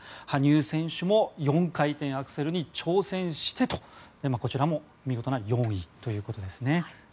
羽生選手も４回転アクセルに挑戦してとこちらも見事な４位ということですね。